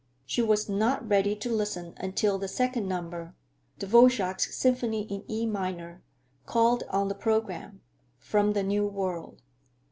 She was not ready to listen until the second number, Dvorak's Symphony in E minor, called on the programme, "From the New World."